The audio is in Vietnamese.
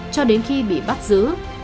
cho đến khi bị bắt giữ